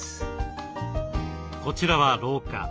こちらは廊下。